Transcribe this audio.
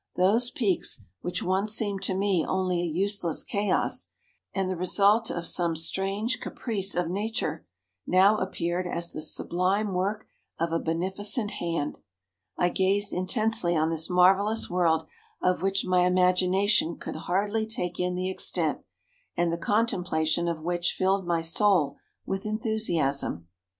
Those peaks, which once seemed to me only a useless chaos, and the result of some strange caprice of Nature, now appeared as the sublime work of a beneficent Hand. I gazed intensely on this marvellous world of which my imagination could hardly take in the extent, and the contemplation of which filled my soul with enthusiasm.